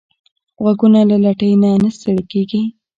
غوږونه له لټۍ نه نه ستړي کېږي